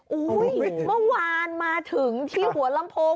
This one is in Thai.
เมื่อวานมาถึงที่หัวลำโพง